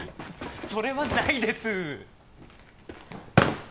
それはないです